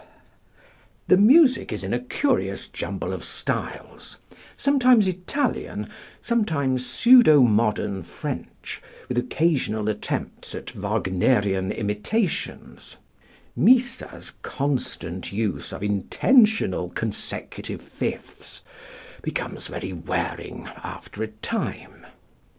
The music is in a curious jumble of styles: sometimes Italian, sometimes pseudo modern French, with occasional attempts at Wagnerian imitations Missa's constant use of intentional consecutive fifths becomes very wearing after a time.